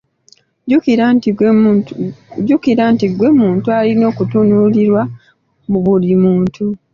Jjukira nti gwe muntu alina okutunuulirwa buli muntu.